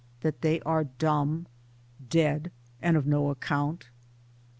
that they are dumb, dead, and of no account?